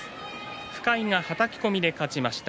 深井がはたき込みで勝ちました。